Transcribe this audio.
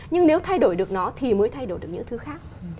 nhưng nếu thay đổi được nó thì mới thay đổi được những thứ khác